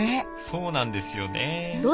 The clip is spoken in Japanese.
そうなんですよね。